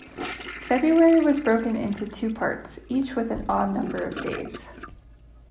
February was broken into two parts, each with an odd number of days.